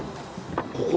ここ？